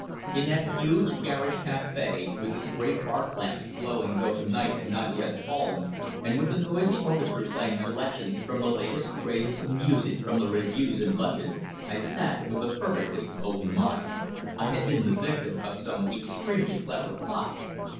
In that huge, garish café, with its great arc lamps glowing though night had not yet fallen, and with a noisy orchestra playing selections from the latest crazes of music from the revues in London, I sat with a perfectly open mind. I had been the victim of some extremely clever plot.